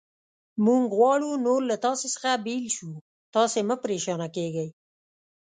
موږ غواړو نور له تاسې څخه بېل شو، تاسې مه پرېشانه کېږئ.